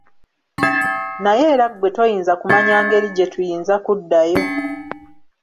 Naye era ggwe toyinza kumanya ngeri gye tuyinza kuddayo.